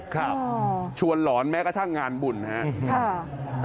ครับชวนหลอนแม้กระทั่งงานบุญครับ